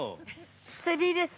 ◆釣りです。